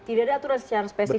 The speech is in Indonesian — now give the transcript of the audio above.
tidak ada aturan secara spesifik